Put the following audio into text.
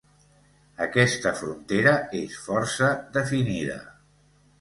Aquesta frontera és força definida.